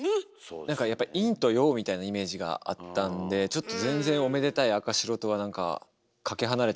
なんかやっぱ陰と陽みたいなイメージがあったんでちょっと全然おめでたい赤白とはなんかかけ離れてる感じしました。